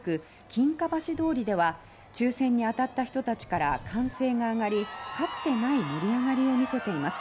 金華橋通りでは抽選に当たった人たちから歓声が上がりかつてない盛り上がりを見せています。